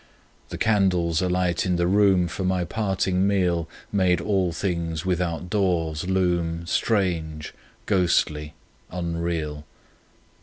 The candles alight in the room For my parting meal Made all things withoutdoors loom Strange, ghostly, unreal.